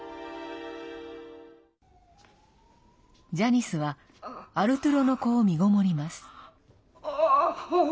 ジャニスはアルトゥロの子をみごもります。